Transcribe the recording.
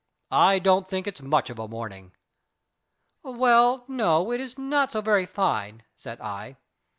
I don't think it's much of a morning." "Well, no it is not so very fine," said I.